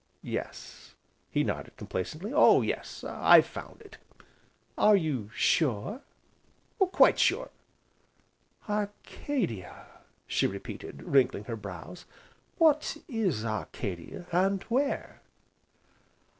"Yes," he nodded complacently, "oh yes, I've found it." "Are you sure?" "Quite sure!" "Arcadia!" she repeated, wrinkling her brows, "what is Arcadia and where?"